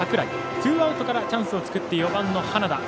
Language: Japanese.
ツーアウトからチャンスを作って４番の花田。